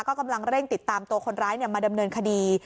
ก็กำลังเร่งติดตามตัวคนร้ายมาดำเนินคดี